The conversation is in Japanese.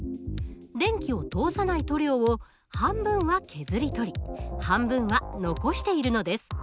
電気を通さない塗料を半分は削り取り半分は残しているのです。